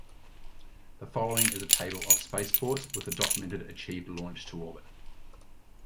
The following is a table of spaceports with a documented achieved launch to orbit.